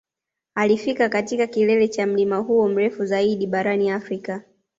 Alifika katika kilele cha mlima huo mrefu zaidi barani Afrika